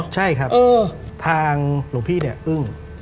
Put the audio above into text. ใช่ครับทางหลวงพี่เนี่ยอึ้ง